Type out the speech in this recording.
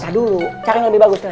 tak dulu cari yang lebih bagus dulu